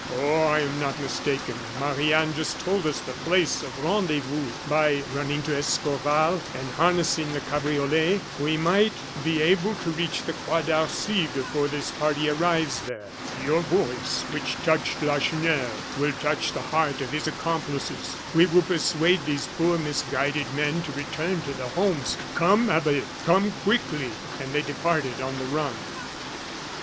"Oh I am not mistaken. Marie Anne just told us the place of rendezvous. By running to Escorval and harnessing the cabriolet, we might be able to reach the Croix d'Arcy before this party arrive there. Your voice, which touched Lacheneur, will touch the heart of his accomplices. We will persuade these poor, misguided men to return to their homes. Come, Abbe; come quickly!" And they departed on the run.